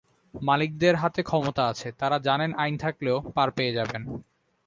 মালিকদের হাতে ক্ষমতা আছে, তাঁরা জানেন আইন থাকলেও পার পেয়ে যাবেন।